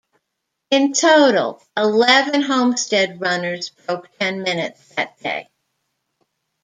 In total, eleven Homestead runners broke ten minutes that day.